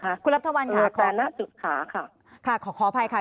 ค่ะคุณรับทวันครับเออแต่หน้าจุดค้าค่ะค่ะขอขอไปค่ะ